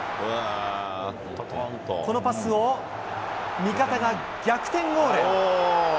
このパスを味方が逆転ゴール。